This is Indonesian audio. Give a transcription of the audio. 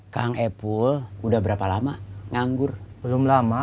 kang epul udah berapa lama nganggur belum lama